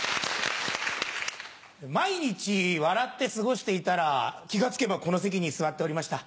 毎日笑って過ごしていたら気が付けばこの席に座っておりました。